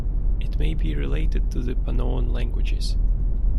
It may be related to the Panoan languages.